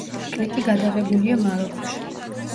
კლიპი გადაღებულია მაროკოში.